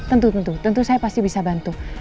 tentu tentu tentu saya pasti bisa bantu